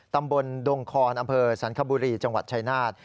ตำบลดงคอนอำเภอสันคบุรีจังหวัดชายนาฏ